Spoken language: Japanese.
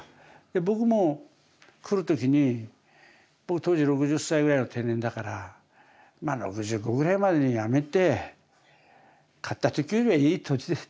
僕も来る時に当時６０歳ぐらいの定年だからまあ６５ぐらいまでにやめて買った時よりはいい値段で売れるかと。